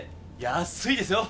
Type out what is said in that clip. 安いですよ！